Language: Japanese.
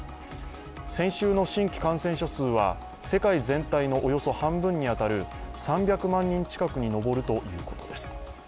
先週の新規感染者数は世界全体のおよそ半分に当たる３００万人近くに上るということです